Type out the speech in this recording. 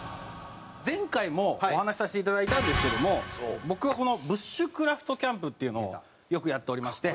前回もお話しさせて頂いたんですけども僕はこのブッシュクラフトキャンプっていうのをよくやっておりまして。